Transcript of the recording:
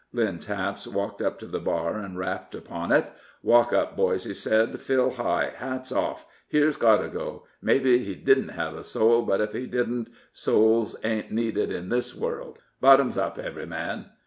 Lynn Taps walked up to the bar, and rapped upon it. "Walk up, boys," said he; "fill high; hats off. Here's Codago. Maybe he didn't have a soul, but if he didn't, souls ain't needed in this world. Buttoms up, every man."